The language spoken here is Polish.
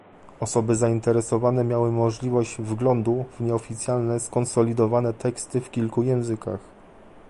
Osoby zainteresowane miały możliwość wglądu w nieoficjalne skonsolidowane teksty w kilku językach